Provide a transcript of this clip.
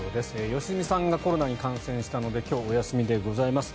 良純さんがコロナに感染したので今日、お休みでございます。